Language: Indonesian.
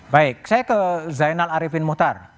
baik saya ke zainal arifin muhtar